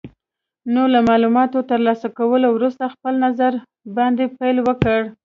نو له مالوماتو تر لاسه کولو وروسته خپل نظر باندې پیل وکړئ.